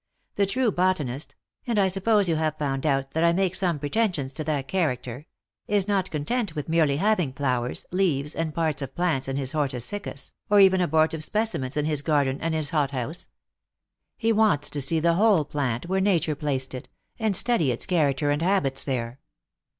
The true bot anist and I suppose you have found out that I make some pretensions to that character is not content with merely having flowers, leaves, and parts of plants in his hortus siccus, or even abortive specimens in his garden and his hot house : he wants to see the whole plant where nature placed it, and study its character and habits there.